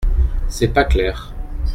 C’est pas clair.